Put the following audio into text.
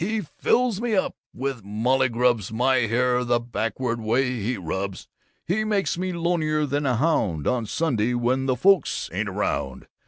He fills me up with mullygrubs; my hair the backward way he rubs; he makes me lonelier than a hound, on Sunday when the folks ain't round.